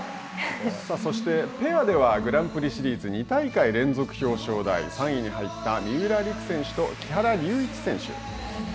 そしてペアではグランプリシリーズ２大会連続表彰台３位に入った三浦璃来選手と木原龍一選手。